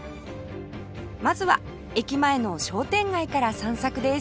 まずは駅前の商店街から散策です